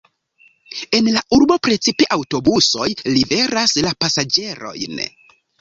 En la urbo precipe aŭtobusoj liveras la pasaĝerojn.